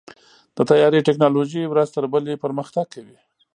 د طیارې ټیکنالوژي ورځ تر بلې پرمختګ کوي.